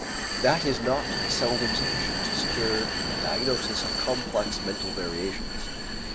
That is not seldom sufficient to secure the diagnosis of complex mental variations.